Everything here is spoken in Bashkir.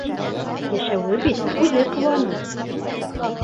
Йәшәүе бит үҙе ҡыуаныс!